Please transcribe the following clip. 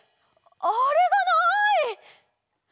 あれがない！